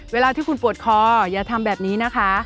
เวลาที่คุณปวดคออย่าทำแบบนี้นะคะ